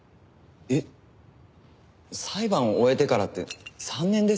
えっ裁判を終えてからって３年ですよね？